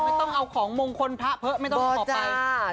ไม่ต้องเอาของมงคลพระเพ้อไม่ต้องออกไป